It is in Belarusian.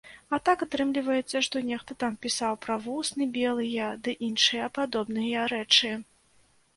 А так, атрымліваецца, што нехта там пісаў пра вусны белыя ды іншыя падобныя рэчы.